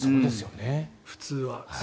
普通は。